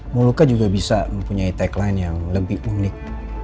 muluka juga bisa mempunyai tagline yang lebih unik